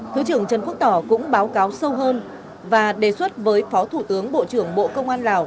thứ trưởng trần quốc tỏ cũng báo cáo sâu hơn và đề xuất với phó thủ tướng bộ trưởng bộ công an lào